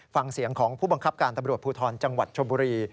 ฟังเสียงของผู้บังคับการตำรวจภูทรจังหวัดชมบุรี